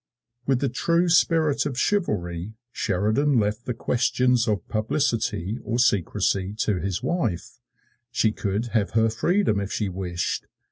With the true spirit of chivalry, Sheridan left the questions of publicity or secrecy to his wife: she could have her freedom if she wished.